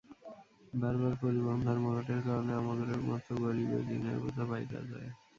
বারবার পরিবহন ধর্মঘটের কারণে আমাগরে মতো গরিবের ঋণের বোঝা বাইড়্যা যায়।